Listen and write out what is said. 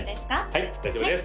はい大丈夫です